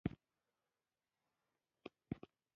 د کوچنیو خوشحالۍو قدر کول د لویو بریاوو لامل کیږي.